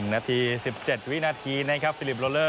นาที๑๗วินาทีนะครับฟิลิปโลเลอร์